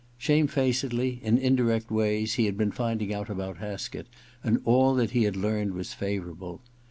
Shamefacedly, in indirect ways, he had been finding out about Haskett ; and all that he had learned was favourable.